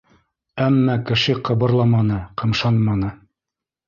Әммә кеше ҡыбырламаны, ҡымшанманы.